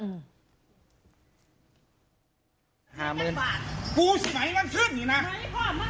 กู้สิไหมมันขึ้นอยู่น่ะ